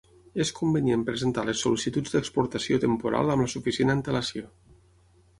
És convenient presentar les sol·licituds d'exportació temporal amb la suficient antelació.